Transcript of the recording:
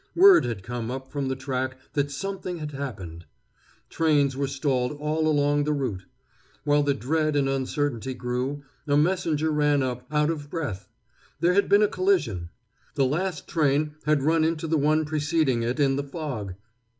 Word had come up from the track that something had happened. Trains were stalled all along the route. While the dread and uncertainty grew, a messenger ran up, out of breath. There had been a collision. The last train had run into the one preceding it, in the fog.